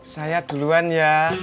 saya duluan ya